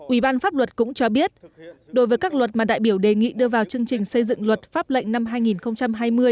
ủy ban pháp luật cũng cho biết đối với các luật mà đại biểu đề nghị đưa vào chương trình xây dựng luật pháp lệnh năm hai nghìn hai mươi